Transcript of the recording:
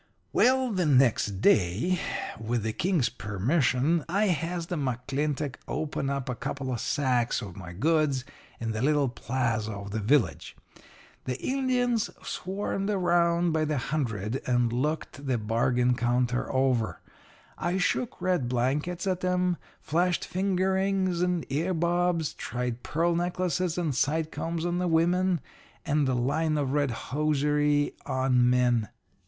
"Well, the next day, with the King's permission, I has the McClintock open up a couple of sacks of my goods in the little plaza of the village. The Indians swarmed around by the hundred and looked the bargain counter over. I shook red blankets at 'em, flashed finger rings and ear bobs, tried pearl necklaces and side combs on the women, and a line of red hosiery on the men.